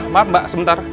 maaf mbak sebentar